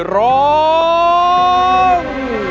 ร้อง